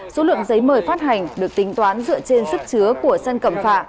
số lượng giấy mời phát hành được tính toán dựa trên sức chứa của sân cầm phả